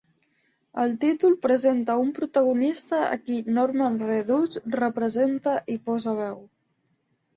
El títol presenta un protagonista a qui Norman Reedus representa i posa veu.